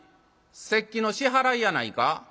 「節季の支払いやないか」。